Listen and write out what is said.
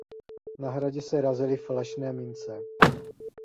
Na hradě se razily falešné mince.